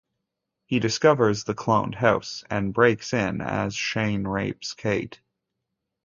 He discovers the cloned house and breaks in as Shane rapes Kate.